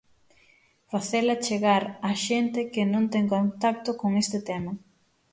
Facela chegar á xente que non ten contacto con este tema.